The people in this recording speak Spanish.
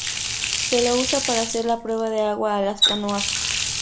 Se lo usa para hacer la prueba de agua a las canoas.